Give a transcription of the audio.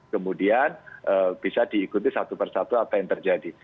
kemudian bisa diikuti satu persatu apa yang terjadi